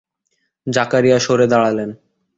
জাকারিয়া সরে দাঁড়ালেন।